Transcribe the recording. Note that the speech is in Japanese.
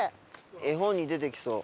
絵本に出てきそう。